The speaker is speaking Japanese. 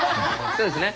そうですね。